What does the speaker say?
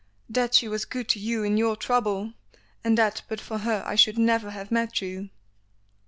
That she was good to you in your trouble, and that but for her I should never have met you."